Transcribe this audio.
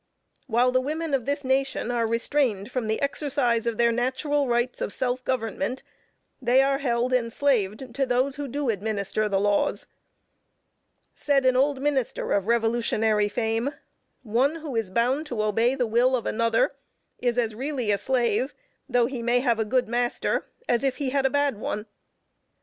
While the women of this nation are restrained from the exercise of their natural rights of self government, they are held enslaved to those who do administer the laws. Said an old minister of revolutionary fame, "One who is bound to obey the will of another is as really a slave, though he may have a good master, as if he had a bad one."